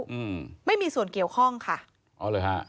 อืมไม่มีส่วนเกี่ยวข้องค่ะอ๋อเหรอฮะ